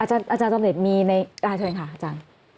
อาจารย์ต้อมเดชน์มีในอาจารย์ค่ะอาจารย์